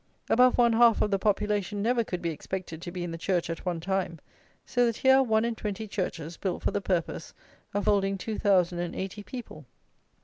Above one half of the population never could be expected to be in the church at one time; so that here are one and twenty churches built for the purpose of holding two thousand and eighty people!